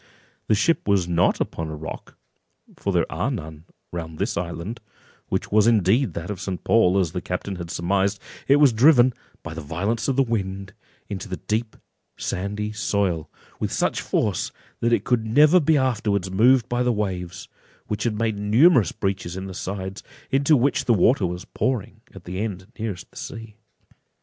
The ship was not upon a rock, for there are none round this island, which was indeed that of St. Paul, as the captain had surmised: it was driven, by the violence of the wind, into the deep sandy soil, with such force, that it could never be afterwards moved by the waves, which had made numerous breaches in the sides, into which the water was pouring at the end nearest to the sea.